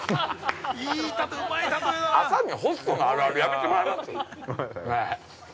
◆朝にホストのあるあるやめてもらえます？